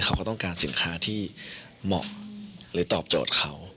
เขาก็ต้องการสินค้าที่เหมาะหรือตอบโจทย์เขา